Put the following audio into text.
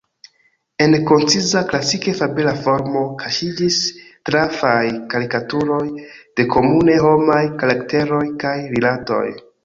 En konciza, klasike fabela formo kaŝiĝis trafaj karikaturoj de komune homaj karakteroj kaj rilatoj.